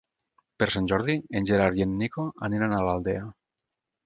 Per Sant Jordi en Gerard i en Nico aniran a l'Aldea.